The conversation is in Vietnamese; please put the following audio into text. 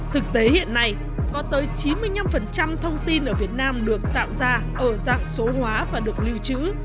thực tế hiện nay có tới chín mươi năm thông tin ở việt nam được tạo ra ở dạng số hóa và được lưu trữ